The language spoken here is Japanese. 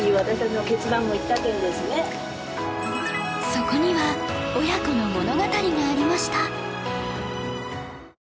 そこには親子の物語がありました